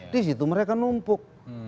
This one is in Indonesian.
di situ mereka numpuk